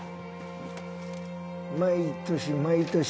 毎年毎年